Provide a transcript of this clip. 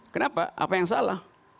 kenapa apa yang salah